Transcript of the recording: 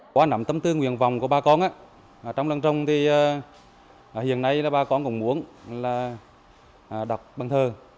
qua nằm tâm tư nguyện vòng của ba con trong làng rồng thì hiện nay ba con cũng muốn đọc băng thơ